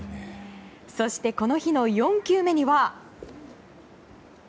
そして、この日の４球目には。